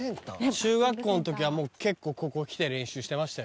中学校の時はもう結構ここ来て練習してましたよ